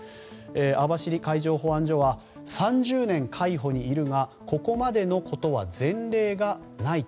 網走海上保安署は３０年海保にいるがここまでのことは前例がない。